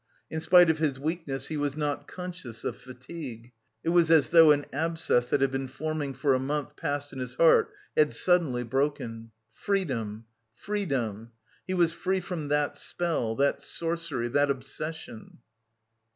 In spite of his weakness he was not conscious of fatigue. It was as though an abscess that had been forming for a month past in his heart had suddenly broken. Freedom, freedom! He was free from that spell, that sorcery, that obsession!